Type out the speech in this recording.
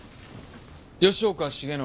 吉岡繁信